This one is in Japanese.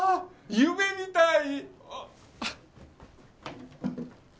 夢みたい！